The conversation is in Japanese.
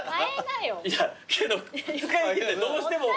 いやけどどうしても。